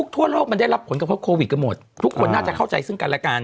ทั่วโลกมันได้รับผลกระทบโควิดกันหมดทุกคนน่าจะเข้าใจซึ่งกันและกัน